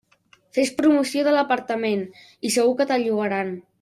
Fes promoció de l'apartament i segur que te'l llogaran.